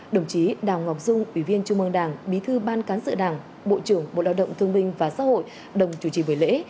đồng chí đào ngọc dung ủy viên trung mương đảng bí thư ban cán sự đảng bộ trưởng bộ lao động thương minh và xã hội đồng chủ trì buổi lễ